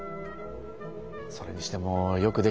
それにしてもよくできてる。